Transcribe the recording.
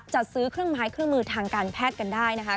จัดซื้อเครื่องไม้เครื่องมือทางการแพทย์กันได้นะคะ